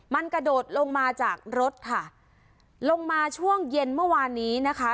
มันกระโดดลงมาจากรถค่ะลงมาช่วงเย็นเมื่อวานนี้นะคะ